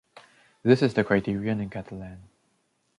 This is the criterion in Catalan.